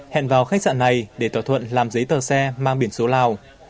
hẹn vào khách sạn này để thỏa thuận làm giấy tờ xe mang biển số lào